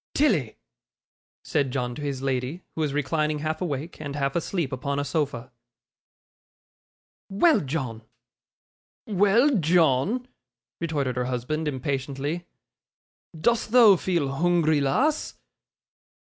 'Tilly!' said John to his lady, who was reclining half awake and half asleep upon a sofa. 'Well, John!' 'Well, John!' retorted her husband, impatiently. 'Dost thou feel hoongry, lass?